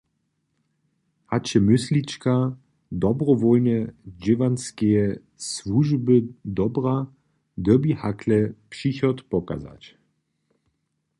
Hač je myslička dobrowólneje dźěłanskeje słužby dobra, dyrbi hakle přichod pokazać.